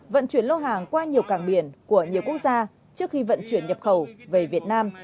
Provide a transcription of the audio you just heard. vận chuyển lô hàng qua nhiều cảng biển của nhiều quốc gia trước khi vận chuyển nhập khẩu về việt nam